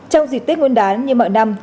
trong dịp tết nguyên đán như mọi năm